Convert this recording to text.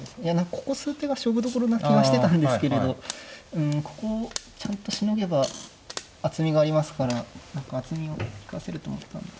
ここ数手が勝負どころな気がしてたんですけれどここをちゃんとしのげば厚みがありますから何か厚みを生かせると思った。